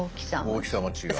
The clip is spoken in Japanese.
大きさが違う。